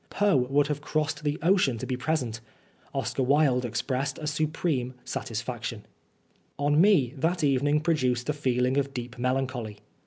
Poe would have crossed the ocean to be present. Oscar Wilde expressed a supreme satisfaction. On me, that evening produced a feeling of deep melancholy.